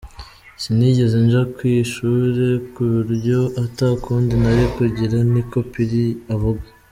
"Sinigeze nja kw'ishule, ku buryo ata kundi nari kugira," niko Pili avuga.